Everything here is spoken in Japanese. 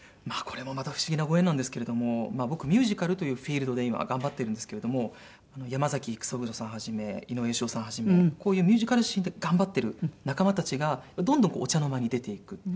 まあこれもまた不思議なご縁なんですけれども僕ミュージカルというフィールドで今頑張ってるんですけれども山崎育三郎さん始め井上芳雄さん始めこういうミュージカルシーンで頑張ってる仲間たちがどんどんお茶の間に出ていく。